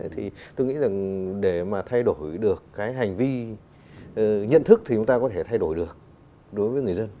thì tôi nghĩ rằng để mà thay đổi được cái hành vi nhận thức thì chúng ta có thể thay đổi được đối với người dân